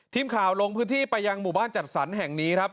ทีมข่าวลงพื้นที่ไปยังหมู่บ้านจัดสรรแห่งนี้ครับ